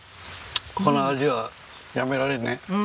この味はやめられない。